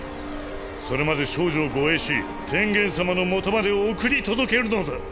それまで少女を護衛し天元様のもとまで送り届けるのだ。